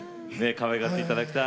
かわいがって頂きたい。